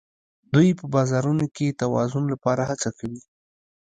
دوی په بازارونو کې د توازن لپاره هڅه کوي